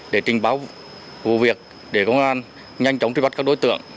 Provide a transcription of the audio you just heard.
để trình báo vụ việc để công an nhanh chóng truy bắt các đối tượng